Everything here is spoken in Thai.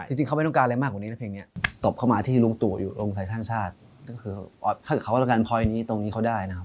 จริงเขาไม่ต้องการอะไรมากกว่านี้นะเพลงนี้ตบเข้ามาที่ลุงตู่อยู่รวมไทยสร้างชาติก็คือถ้าเกิดเขาต้องการพลอยนี้ตรงนี้เขาได้นะครับ